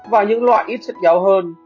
và những loại ít chất béo hơn